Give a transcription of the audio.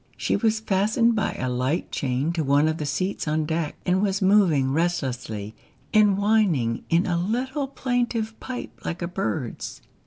She was fastened by a light chain to one of the seats on deck, and was moving restlessly and whining in a little plaintive pipe like a bird's.